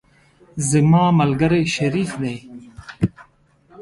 زما ملګری شریف دی.